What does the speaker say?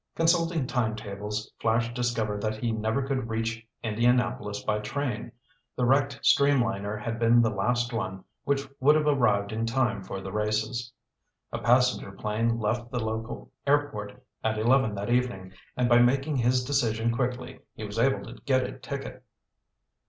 Consulting time tables, Flash discovered that he never could reach Indianapolis by train. The wrecked streamliner had been the last one which would have arrived in time for the races. A passenger plane left the local airport at eleven that evening and by making his decision quickly he was able to get a ticket.